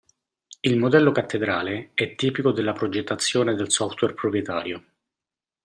Il modello cattedrale è tipico della progettazione del software proprietario.